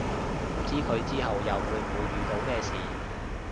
唔知佢之後又會唔會遇到咩事